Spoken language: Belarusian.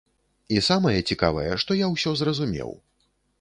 І самае цікавае, што я ўсё разумеў.